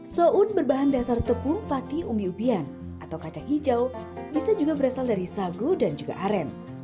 soun ⁇ berbahan dasar tepung pati umi ubian atau kacang hijau bisa juga berasal dari sagu dan juga aren